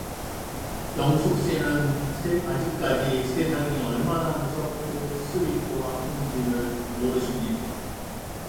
영숙 씨는 아직까지 세상이 얼마나 무섭고 쓰리고 아픈지를 모르십니다.